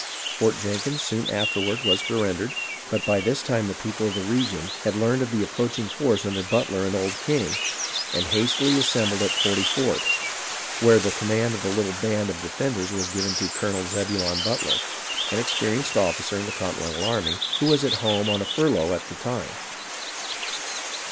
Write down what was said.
Fort Jenkins soon afterward was sur rendered ; but by this time the people of the region had learned of the approaching force under Butler and Old King, and hastily assembled at Forty Fort, where the command of the little band of defenders was given to Colonel Zebulon Butler, an experienced officer in the Con tinental army, who was at home on a furlough at the time.